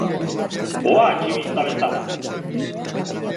Hoa tximista bezala!